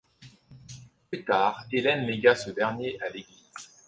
Plus tard, Hélène légua ce dernier à l'Église.